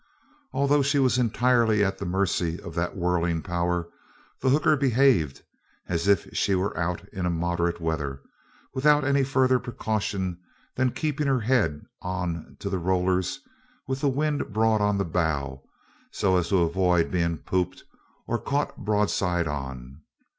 Although she was entirely at the mercy of that whirling power, the hooker behaved as if she were out in moderate weather, without any further precaution than keeping her head on to the rollers, with the wind broad on the bow so as to avoid being pooped or caught broadside on.